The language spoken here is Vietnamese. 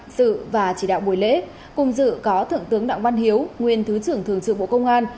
sự và chỉ đạo bồi lễ cùng dự có thượng tướng đảng văn hiếu nguyên thứ trưởng thường trưởng bộ công an